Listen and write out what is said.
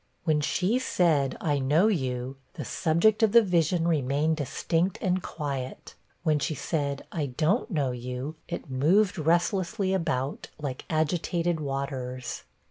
When she said, 'I know you,' the subject of the vision remained distinct and quiet. When she said, 'I don't know you,' it moved restlessly about, like agitated waters.